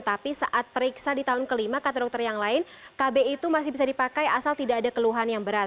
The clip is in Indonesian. tapi saat periksa di tahun kelima kata dokter yang lain kb itu masih bisa dipakai asal tidak ada keluhan yang berat